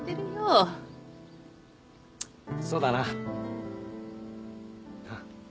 そうだな。なあ？